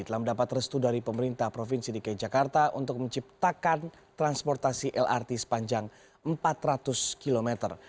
telah mendapat restu dari pemerintah provinsi dki jakarta untuk menciptakan transportasi lrt sepanjang empat ratus kilometer